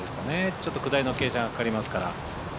ちょっと下りの傾斜がかかりますから。